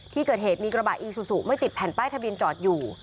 ที่เกิดเหตุมีกระบะอีซูซูไม่ติดแผ่นป้ายทะเบียนจอดอยู่